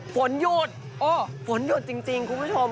ฝนหยุดโอ้ฝนหยุดจริงคุณผู้ชม